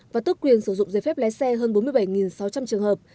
và tước quyền sử dụng giấy phép lái xe hơn bốn mươi bảy sáu trăm linh trường hợp